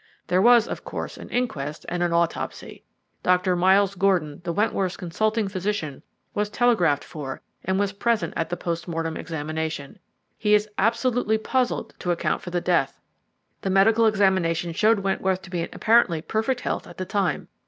There was, of course, an inquest and an autopsy. Dr. Miles Gordon, the Wentworths' consulting physician, was telegraphed for, and was present at the post mortem examination. He is absolutely puzzled to account for the death. The medical examination showed Wentworth to be in apparently perfect health at the time.